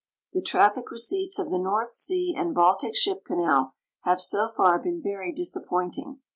The traffic receipts of the North Sea and Baltic Ship Canal have so far been vei'y disappointing.